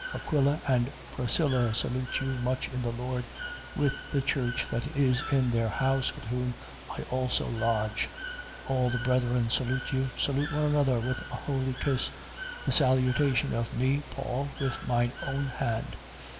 Aquila and Priscilla salute you much in the Lord, with the church that is in their house, with whom I also lodge. 16:20. All the brethren salute you. Salute one another with a holy kiss. 16:21. The salutation of me Paul, with my own hand.